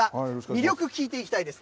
魅力聞いていきたいです。